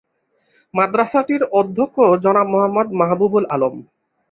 মাদ্রাসাটির অধ্যক্ষ জনাব মোহাম্মদ মাহবুবুল আলম।